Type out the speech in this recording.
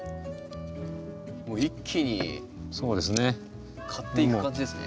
もう一気に刈っていく感じですね。